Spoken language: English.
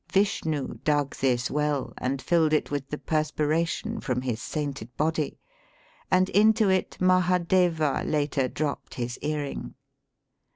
Vishnu dug this well and filled it with the perspiration from his sainted body, and into it Mahadeva later dropped his earring.